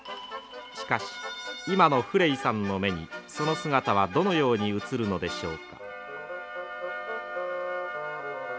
しかし今のフレイさんの目にその姿はどのように映るのでしょうか。